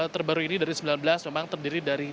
terbaru ini dari sembilan belas memang terdiri dari